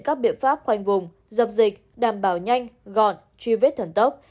các biện pháp khoanh vùng dập dịch đảm bảo nhanh gọn truy vết thần tốc